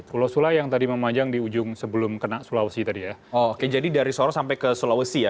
pulau sula yang tadi memanjang di ujung sebelum kena sulawesi tadi ya